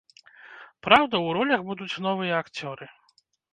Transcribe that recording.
Праўда, у ролях будуць новыя акцёры.